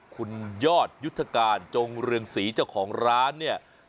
คุณยอดยุทธการจงเรืองศรีเจ้าของร้านเนี่ย